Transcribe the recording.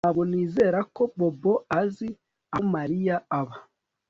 Ntabwo nizera ko Bobo azi aho Mariya aba